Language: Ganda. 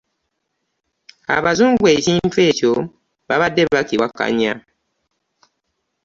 Abazungu ekintu ekyo babadde bakiwakanya.